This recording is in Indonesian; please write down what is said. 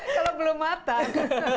kalau belum matang